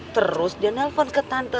terus dia nelfon ke tante